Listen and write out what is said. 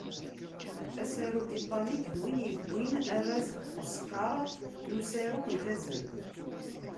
Asaru Titanic d win yewwin arraz Oscar n usaru ifazen.